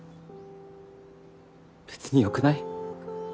別によくない？